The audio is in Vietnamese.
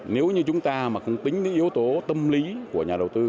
nếu như chúng ta mà không tính cái yếu tố tâm lý của nhà đầu tư